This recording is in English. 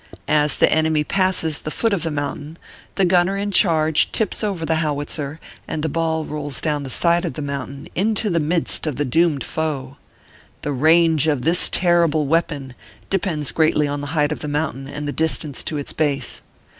As the enemy passes the foot of the mountain, the gunner in charge tips over the howitzer, and the ball rolls down the side of the mountain into the midst of the doomed foe. The range of this terrible weapon depends greatly on the height of the mountain and the distance to its base.